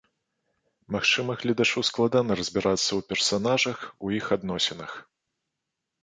Магчыма, гледачу складана разбірацца ў персанажах, у іх адносінах.